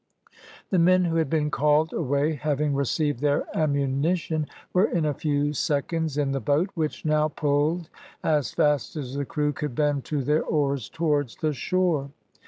The men who had been called away having received their ammunition, were in a few seconds in the boat, which now pulled as fast as the crew could bend to their oars towards the shore.